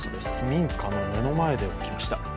民家の目の前で起きました。